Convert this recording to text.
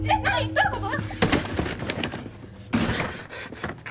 どういうこと！？